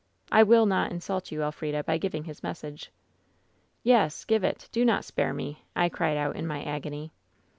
I will not insult you, El frida, by giving his message.' "* Yes 1 Give it 1 Do not spare me !' I cried out in my agony.